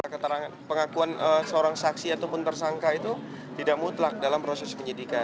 keterangan pengakuan seorang saksi ataupun tersangka itu tidak mutlak dalam proses penyidikan